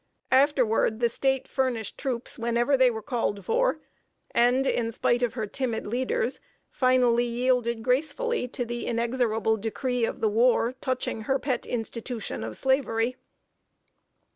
Afterward the State furnished troops whenever they were called for, and, in spite of her timid leaders, finally yielded gracefully to the inexorable decree of the war, touching her pet institution of Slavery. [Sidenote: FIRST UNION TROOPS OF KENTUCKY.